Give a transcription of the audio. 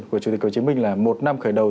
của chủ tịch hồ chí minh là một năm khởi đầu